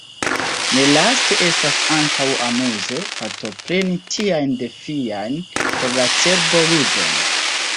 Nelaste estas ankaŭ amuze, partopreni tian defian por la cerbo ludon.